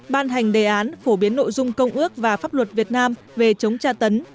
ban hành đề án phổ biến nội dung công ước và pháp luật việt nam về chống tra tấn